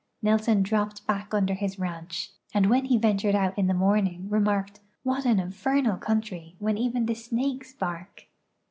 Nelson dropj>ed back under his ranch, and when he ventured out in the morning remarked, " What an infernal country, when even the snakes bark